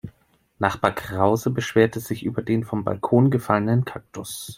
Nachbar Krause beschwerte sich über den vom Balkon gefallenen Kaktus.